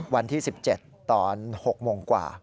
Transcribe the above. วันที่๑๗ตอน๖โมงกว่า